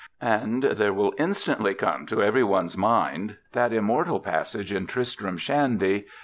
And there will instantly come to every one's mind that immortal passage in "Tristram Shandy."